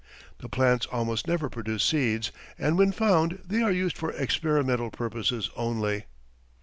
The plants almost never produce seeds, and when found, they are used for experimental purposes only.